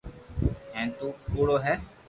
ھين تو تو ڪوڙو ھي